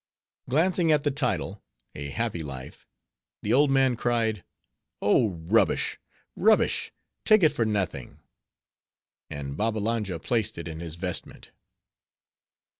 Glancing at the title—"A Happy Life"—the old man cried—"Oh, rubbish! rubbish! take it for nothing." And Babbalanja placed it in his vestment.